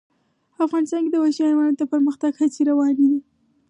افغانستان کې د وحشي حیوانات د پرمختګ هڅې روانې دي.